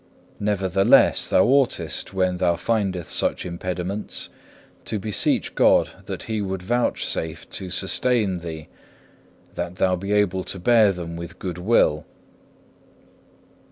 Nevertheless thou oughtest, when thou findeth such impediments, to beseech God that He would vouchsafe to sustain thee, that thou be able to bear them with a good will.